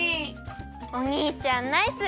おにいちゃんナイス！